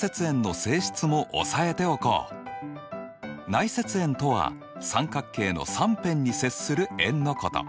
内接円とは三角形の３辺に接する円のこと。